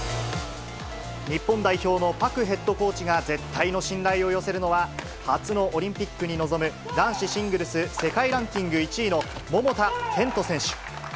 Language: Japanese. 日本代表のパクヘッドコーチが絶対の信頼を寄せるのは、初のオリンピックに臨む、男子シングルス世界ランキング１位の桃田賢斗選手。